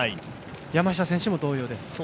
山下選手も同様です